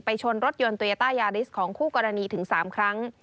ชนรถยนต์โตยาต้ายาริสของคู่กรณีถึง๓ครั้ง